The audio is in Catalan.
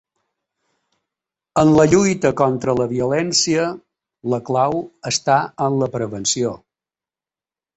En la lluita contra la violència, la clau està en la prevenció.